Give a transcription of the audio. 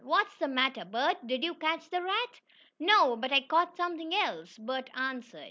"What's the matter, Bert? Did you catch the rat?" "No, but I caught something else," Bert answered.